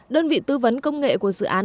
đơn vị tư vấn công nghệ của dự án